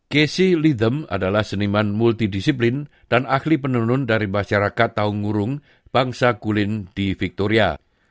kesi lidem adalah seniman multidisiplin dan ahli penenun dari masyarakat taunggurung bangsa kulin di victoria